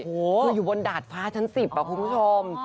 คืออยู่บนดาดฟ้าชั้น๑๐คุณผู้ชม